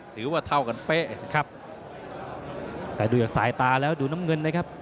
ถือว่าเท่ากันเป๊ะครับแต่ดูจากสายตาแล้วดูน้ำเงินนะครับ